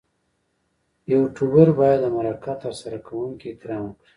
یوټوبر باید د مرکه ترسره کوونکي احترام وکړي.